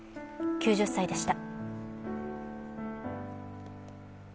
９０歳でした。